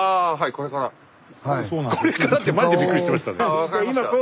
「これから？」ってマジでビックリしてましたね。